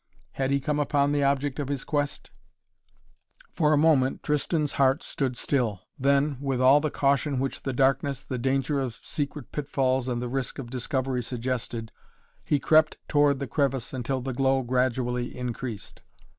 Had he come upon the object of his quest? For a moment Tristan's heart stood still, then, with all the caution which the darkness, the danger of secret pitfalls and the risk of discovery suggested, he crept toward the crevice until the glow gradually increased.